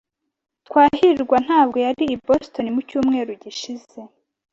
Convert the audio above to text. Twahirwa ntabwo yari i Boston mu cyumweru gishize.